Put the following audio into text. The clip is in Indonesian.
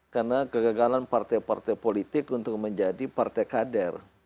karena kegagalan partai partai politik untuk menjadi partai kader